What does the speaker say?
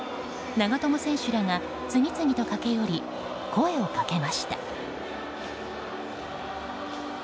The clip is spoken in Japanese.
長友選手らが次々と駆け寄り声をかけました。